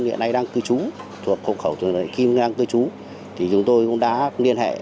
hiện nay đang cư trú thuộc khẩu thuộc đại kim đang cư trú thì chúng tôi cũng đã liên hệ